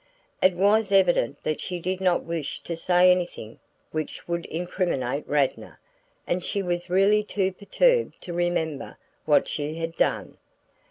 It was evident that she did not wish to say anything which would incriminate Radnor; and she was really too perturbed to remember what she had done.